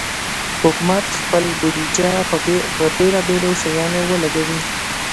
حکومت خپل بودیجه پر بېلابېلو شیانو ولګوي.